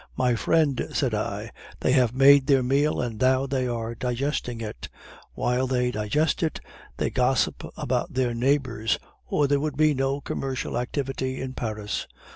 'My friend,' said I, 'they have made their meal, and now they are digesting it; while they digest it, they gossip about their neighbors, or there would be no commercial security in Paris.